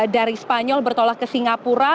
dari spanyol bertolak ke singapura